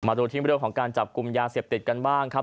มาดูทีมประโยชน์ของการจับกลุ่มยาเสพติดกันบ้างครับ